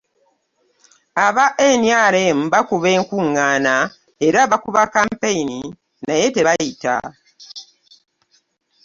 Aba NRM bakuba enkung’aana era bakuba kkampeyini naye tabayita.